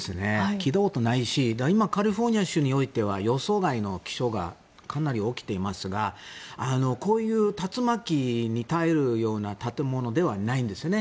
聞いたことないし今、カリフォルニア州においては予想外の気象がかなり起きていますがこういう竜巻に耐えるような建物ではないんですよね。